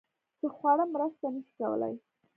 چې خواړه مرسته نشي کولی